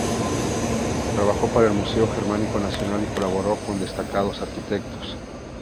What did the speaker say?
Trabajó para el Museo Germánico Nacional y colaboró con destacados arquitectos.